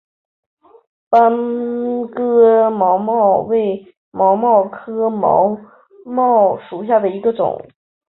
班戈毛茛为毛茛科毛茛属下的一个种。